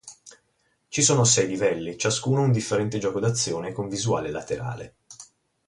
Ci sono sei livelli, ciascuno un differente gioco d'azione con visuale laterale.